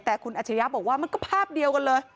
แต่คุณอัจฉริยะบอกว่ามันก็ภาพเดียวกันเลย